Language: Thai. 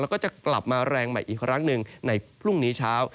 แล้วก็จะกลับมาแรงใหม่อีกครั้งหนึ่งในพรุ่งนี้เช้า